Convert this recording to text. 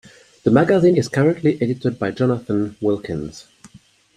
The magazine is currently edited by Jonathan Wilkins.